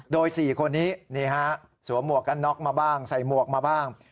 โดย๔คนนี้สวมวกกันน็อกมาบ้างใส่มวกมาบ้าง